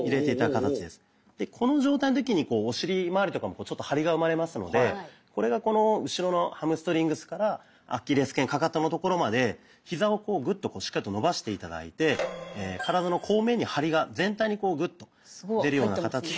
この状態の時にお尻まわりとかも張りが生まれますのでこれがこの後ろのハムストリングスからアキレスけんカカトのところまでヒザをグッとしっかりと伸ばして頂いて体の後面に張りが全体にグッと出るような形で。